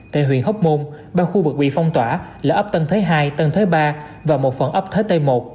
tại huyện hóc môn ba khu vực bị phong tỏa là ấp tân thế hai tân thế ba và một phần ấp thế tây một